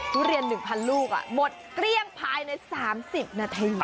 ทุเรียน๑๐๐ลูกหมดเกลี้ยงภายใน๓๐นาที